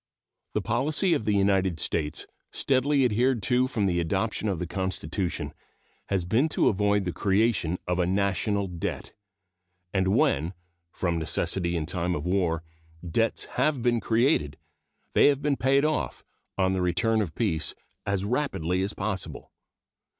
The policy of the United States, steadily adhered to from the adoption of the Constitution, has been to avoid the creation of a national debt; and when, from necessity in time of war, debts have been created, they have been paid off, on the return of peace, as rapidly as possible.